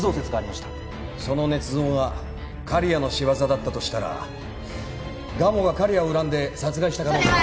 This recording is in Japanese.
その捏造が刈谷の仕業だったとしたら蒲生が刈谷を恨んで殺害した可能性も。